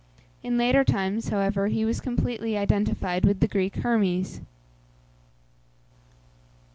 In later times, however, he was completely identified with the Greek Hermes.